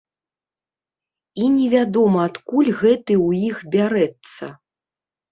І невядома, адкуль гэты ў іх бярэцца.